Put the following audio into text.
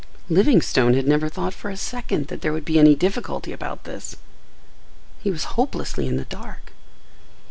Livingstone had never thought for a second that there would be any difficulty about this. He was hopelessly in the dark.